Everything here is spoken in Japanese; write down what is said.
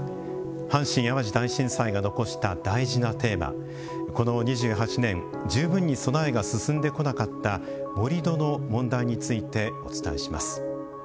阪神・淡路大震災が残した大事なテーマこの２８年十分に備えが進んでこなかった盛土の問題についてお伝えします。